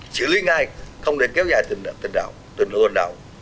xử lý ngay không để kéo dài tình hồn đạo